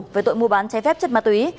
với tội mua bán trái phép chất ma túy